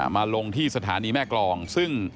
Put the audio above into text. มาลงที่สถานีแม่กรองซึ่ง